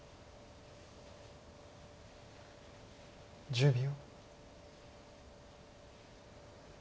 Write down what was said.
１０秒。